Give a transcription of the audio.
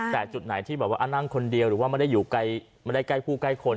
แต่จุดไหนที่แบบว่านั่งคนเดียวหรือว่าไม่ได้อยู่ไม่ได้ใกล้ผู้ใกล้คน